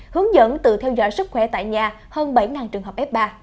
hướng dẫn tự theo dõi sức khỏe tại nhà hơn bảy trường hợp f ba